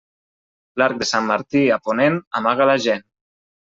L'arc de Sant Martí a ponent amaga la gent.